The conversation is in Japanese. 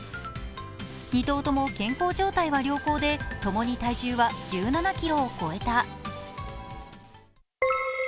２頭とも健康状態は良好で、共に体重は１７ｋｇを超えた。